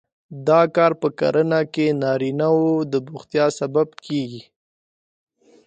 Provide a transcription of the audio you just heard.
دا کار په کرنه کې نارینه وو د بوختیا سبب کېده.